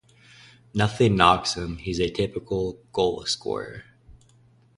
Nothing knocks him, he's a typical goal-scorer.